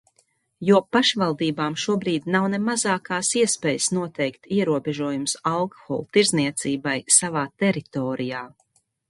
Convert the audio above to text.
Jo pašvaldībām šobrīd nav ne mazākās iespējas noteikt ierobežojumus alkohola tirdzniecībai savā teritorijā.